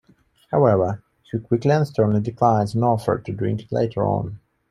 However, he quickly and sternly declines an offer to drink it later on.